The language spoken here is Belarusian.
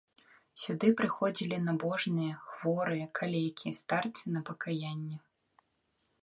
Сюды прыходзілі набожныя, хворыя, калекі, старцы на пакаянне.